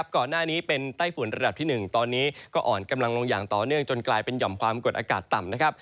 ก่อนหน้านี้เป็นไต้ฝุ่นระดับที่๑ตอนนี้ก็อ่อนกำลังลงอย่างต่อเนื่องจนกลายเป็นหย่อมความกดอากาศต่ำนะครับ